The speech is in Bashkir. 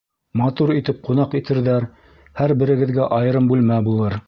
Матур итеп ҡунаҡ итерҙәр, һәр берегеҙгә айырым бүлмә булыр.